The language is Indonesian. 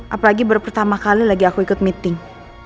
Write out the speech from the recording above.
apalagi baru pertama kali lagi aku ikut meeting